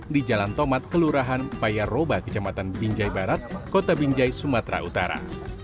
di jalan tomat kelurahan payaroba kecamatan binjai barat kota binjai sumatera utara